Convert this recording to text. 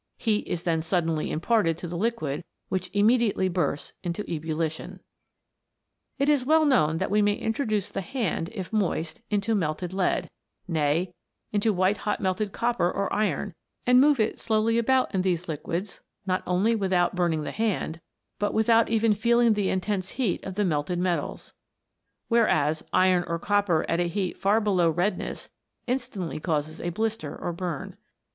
Heat is then suddenly imparted to the liquid, which immediately bursts into ebullition."* It is well known that we may introduce the hand, if moist, into melted lead, nay, into white hot melted copper or iron, and move it slowly about in thee liquids, not only without burning the hand, but without even feeling the intense heat of the melted metals; whereas iron or copper at a heat far below redness, instantly causes a blister or burn.